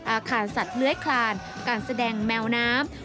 อาคารสัตว์เลื้อยคลานการแสดงแมวน้ำ